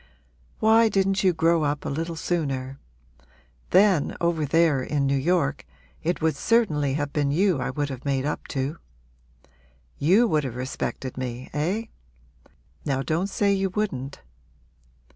Why didn't you grow up a little sooner? Then, over there in New York, it would certainly have been you I would have made up to. You would have respected me eh? now don't say you wouldn't.'